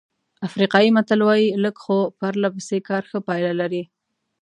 افریقایي متل وایي لږ خو پرله پسې کار ښه پایله لري.